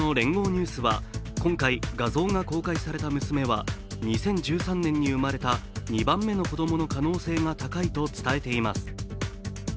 ニュースは今回、画像が公開された娘は２０１３年に生まれた２番目の子供の可能性が高いと伝えています。